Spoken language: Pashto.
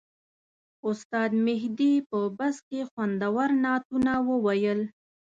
استاد مهدي په بس کې خوندور نعتونه وویل.